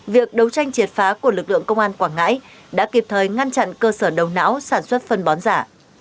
việc đấu tranh triệt phá của lực lượng công an quảng ngãi đã kịp thời ngăn chặn cơ sở đầu não sản xuất phân bón giả